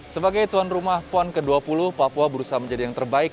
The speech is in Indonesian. sebagai tuan rumah pon ke dua puluh papua berusaha menjadi yang terbaik